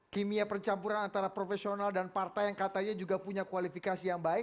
kimia percampuran antara profesional dan partai yang katanya juga punya kualifikasi yang baik